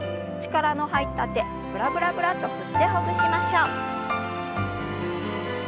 力の入った手ブラブラブラッと振ってほぐしましょう。